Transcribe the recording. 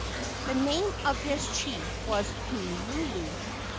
The name of this chief was Hoolulu.